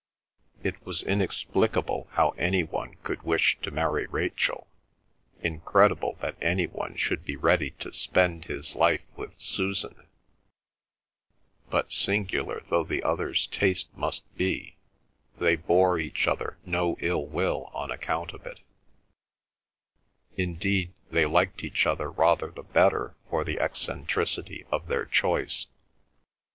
It was inexplicable how any one could wish to marry Rachel, incredible that any one should be ready to spend his life with Susan; but singular though the other's taste must be, they bore each other no ill will on account of it; indeed, they liked each other rather the better for the eccentricity of their choice.